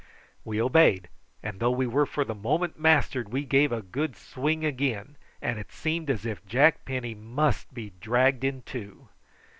We obeyed, and though we were for the moment mastered we gave a good swing again, and it seemed as if Jack Penny must be dragged in two.